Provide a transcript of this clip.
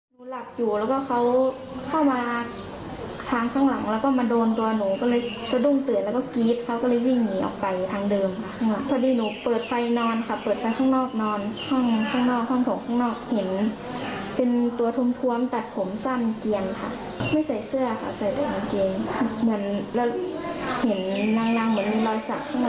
เห็นร่างเหมือนรอยสักข้างหลัง